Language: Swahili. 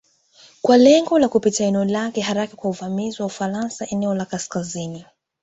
Kwa lengo kupita eneo lake haraka kwa uvamizi wa Ufaransa eneo la Kaskazini